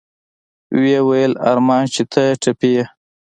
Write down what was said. ويې ويل ارمان چې ته ټپي يې.